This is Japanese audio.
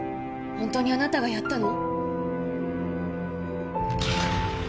ホントにあなたがやったの？